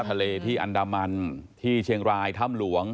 ทะเลที่อันดามันที่เชียงรายถ้ำหลวง